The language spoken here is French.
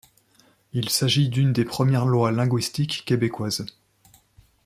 Il s'agit d'une des premières lois linguistiques québécoises.